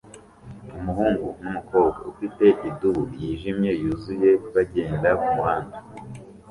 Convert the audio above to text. Umuhungu numukobwa ufite idubu yijimye yuzuye bagenda kumuhanda